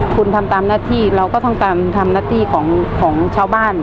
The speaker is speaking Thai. คุณทำตามหน้าที่เราก็ต้องทำหน้าที่ของชาวบ้าน